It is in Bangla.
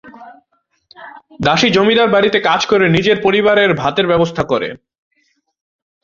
দাসী জমিদার বাড়িতে কাজ করে নিজের পরিবারের ভাতের ব্যবস্থা করে।